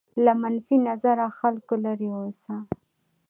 له منفي نظره خلکو لرې واوسه.